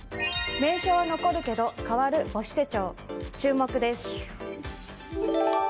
名称は残るけど変わる母子手帳注目です。